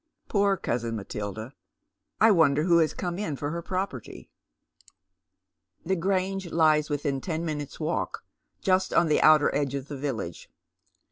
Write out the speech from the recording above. Poor cousin Matilda 1 I wonder who has come in for her property ?" The Grange lies within ten minutes' walk, just on the outer edge of the village.